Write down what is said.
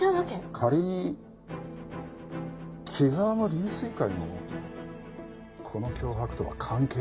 仮に木沢も龍翠会もこの脅迫とは関係がないとしたら？